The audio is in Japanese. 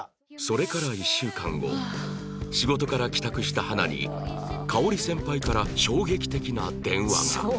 それから１週間後仕事から帰宅した花に香織先輩から衝撃的な電話が